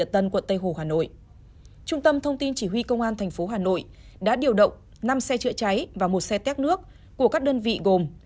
trung tâm thông tin chỉ huy công an tp hà nội đã điều động năm xe chữa cháy và một xe tét nước của các đơn vị gồm